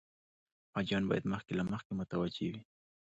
حاجیان باید مخکې له مخکې متوجه وي.